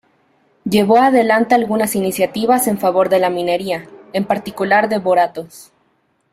Llevó adelante algunas iniciativas en favor de la minería, en particular de boratos.